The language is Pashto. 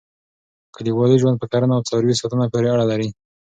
کلیوالي ژوند په کرنه او څاروي ساتنه پورې اړه لري.